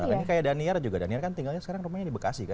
ini kayak daniel juga daniel kan tinggalnya sekarang rumahnya di bekasi kan